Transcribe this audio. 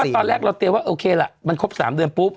ตอนแรกเราเตรียมว่าโอเคล่ะมันครบ๓เดือนปุ๊บ